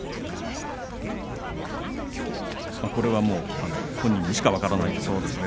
これは本人にしか分からないですね。